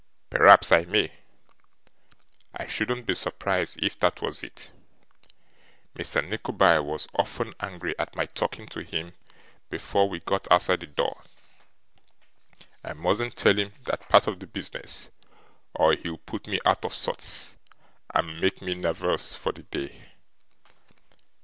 Perhaps I may. I shouldn't be surprised if that was it. Mr. Nickleby was often angry at my talking to him before we got outside the door. I mustn't tell him that part of the business, or he'll put me out of sorts, and make me nervous for the day.